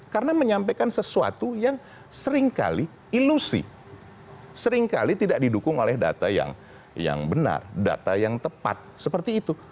karena menyampaikan sesuatu yang seringkali ilusi seringkali tidak didukung oleh data yang benar data yang tepat seperti itu